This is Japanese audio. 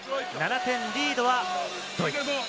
７点リードはドイツ。